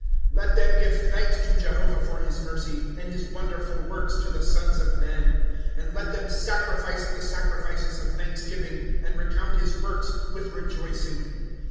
^' Let them give thanks to Jehovah for his meray, And his wonderful works to the sons of men. ^^ And let them sacrifice the sacrifices of thanksgiving. And recount his works with rejoicing.